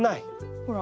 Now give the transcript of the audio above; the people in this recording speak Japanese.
ほら。